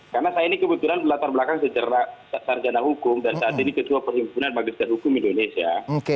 karena saya ini kebetulan latar belakang secara sarjana hukum dan saat ini ketua perhimpunan magister hukum indonesia